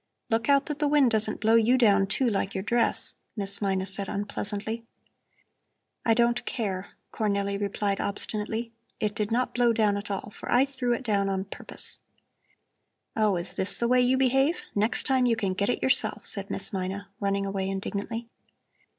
"Look out that the wind doesn't blow you down, too, like your dress," Miss Mina said unpleasantly. "I don't care," Cornelli replied obstinately. "It did not blow down at all, for I threw it down on purpose." "Oh, is this the way you behave? Next time you can get it yourself," said Miss Mina, running away indignantly.